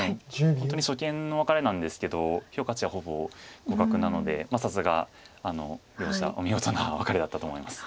本当に初見のワカレなんですけど評価値はほぼ互角なのでさすが両者お見事なワカレだったと思います。